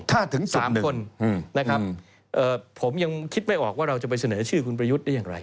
ถ้าถึงจุดหนึ่งสามคนอืมนะครับเอ่อผมยังคิดไม่ออกว่าเราจะไปเสนอชื่อคุณประยุทธได้อย่างไร